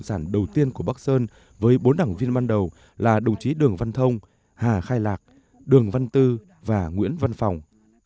các nhà nhà sản đầu tiên của bắc sơn với bốn đảng viên ban đầu là đồng chí đường văn thông hà khai lạc đường văn tư và nguyễn văn phòng